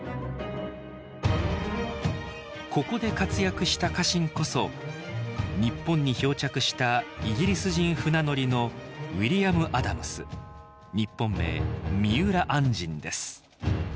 ここで活躍した家臣こそ日本に漂着したイギリス人船乗りの日本名三浦按針です。